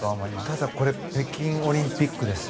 ただ、これ北京オリンピックです。